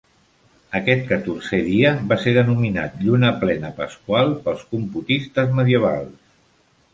Aquest catorzè dia va ser denominat "lluna plena pasqual" pels computistes medievals.